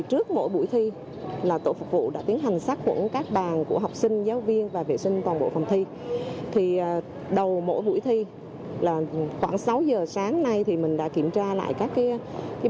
trước đó toàn bộ một mươi ba thí sinh và khoảng ba cán bộ làm nhiệm vụ tại các điểm thi